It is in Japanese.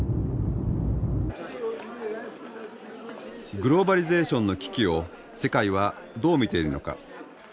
グローバリゼーションの危機を世界はどう見ているのか。